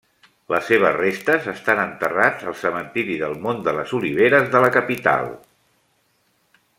Les seves restes estan enterrats al Cementiri del Mont de les Oliveres de la capital.